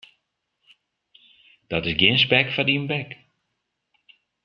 Dat is gjin spek foar dyn bek.